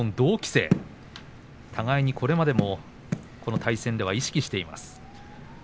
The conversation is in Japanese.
さらにこれまでもこの対戦は意識しています。